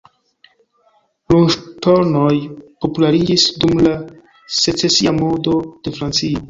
Lunŝtonoj populariĝis dum la Secesia modo de Francio.